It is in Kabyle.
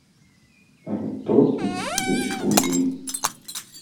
Tameṭṭut mm tbejbujin.